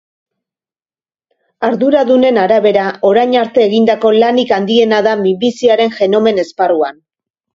Arduradunen arabera, orain arte egindako lanik handiena da minbiziaren genomen esparruan.